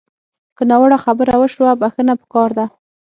که ناوړه خبره وشوه، بښنه پکار ده